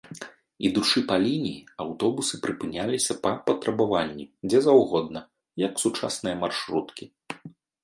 Ідучы па лініі, аўтобусы прыпыняліся па патрабаванні дзе заўгодна, як сучасныя маршруткі.